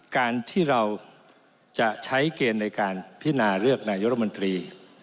การที่เราจะใช้เกณฑ์ในการพินาเลือกนายกรมนตรี